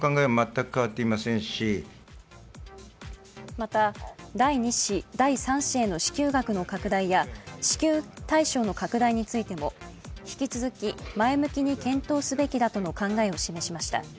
また第２子、第３子への支給額の拡大や支給対象の拡大についても引き続き前向きに検討すべきだとの考えを示しました。